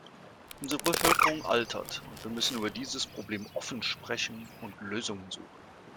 Unsere Bevölkerung altert, und wir müssen über dieses Problem offen sprechen und Lösungen suchen.